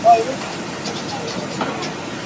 টাহা জোমাইয়া তোর বাড়ি পাডামু রায়বার।